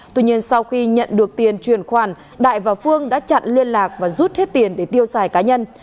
tuy nhiên sau khi nhận được tiền truyền khoản đại và phương đã chặn liên lạc và rút hết tiền để tiêu xài cá nhân